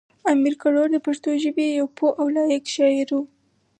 امیر کروړ د پښتو ژبې یو پوه او لایق شاعر و.